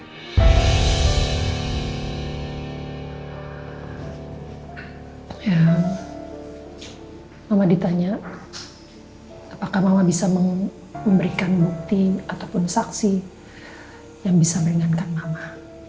mama ditanya apakah mama bisa memberikan bukti ataupun saksi yang bisa meringankan mama